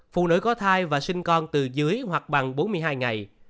phụ nữ có thai và sinh con từ dưới hoặc bằng bốn mươi hai ngày